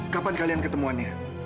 kapan kalian ketemuannya